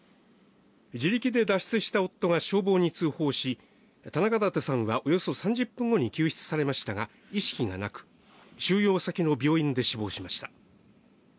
自力で脱出した夫が消防に通報し、田中舘さんはおよそ３０分後に救出されましたが意識がなく、収容先の病院で死亡しました。